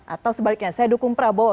atau sebaliknya saya dukung prabowo